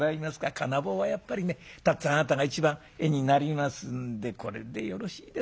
金棒はやっぱりね辰つぁんあなたが一番絵になりますんでこれでよろしいですかい。